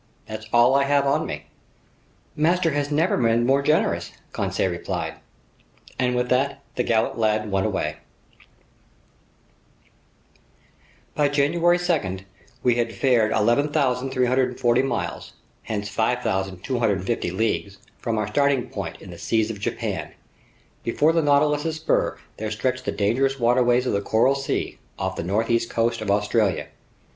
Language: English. That's all I have on me." "Master has never been more generous," Conseil replied. And with that, the gallant lad went away. By January 2 we had fared 11,340 miles, hence 5,250 leagues, from our starting point in the seas of Japan. Before the Nautilus's spur there stretched the dangerous waterways of the Coral Sea, off the northeast coast of Australia.